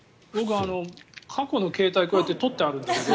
過去の携帯こうやって取ってあるんだけど。